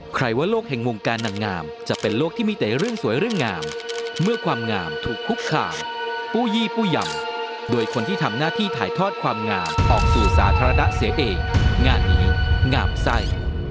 ใครว่าโลกแห่งวงการนางงามจะเป็นโลกที่มีแต่เรื่องสวยเรื่องงามเมื่อความงามถูกคุกคามผู้ยี่ปู้ยำโดยคนที่ทำหน้าที่ถ่ายทอดความงามออกสู่สาธารณะเสียเองงานนี้งามไส้